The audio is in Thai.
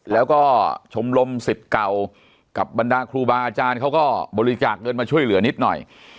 แล้วก็ชมรมสิทธิ์เก่ากับบรรดาครูบาอาจารย์เขาก็บริจาคเงินมาช่วยเหลือนิดหน่อย